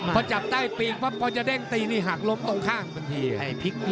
พอจับใต้ปีก